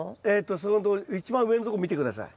そこんとこ一番上のとこ見て下さい。